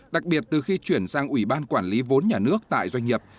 đặc biệt từ khi chuyển sang ủy ban quản lý vốn nhà nước tại doanh nghiệp